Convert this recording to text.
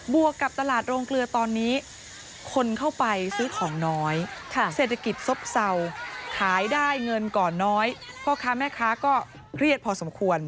วกกับตลาดโรงเกลือตอนนี้คนเข้าไปซื้อของน้อยเศรษฐกิจซบเศร้าขายได้เงินก่อนน้อยพ่อค้าแม่ค้าก็เครียดพอสมควร